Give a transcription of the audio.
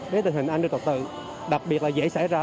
đến tình hình an ninh trật tự đặc biệt là dễ xảy ra